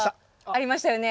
ありましたよね？